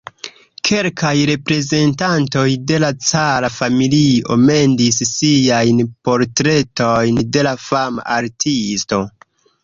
Kelkaj reprezentantoj de la cara familio mendis siajn portretojn de la fama artisto.